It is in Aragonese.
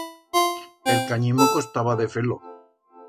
El canyimo costaba de fer-lo.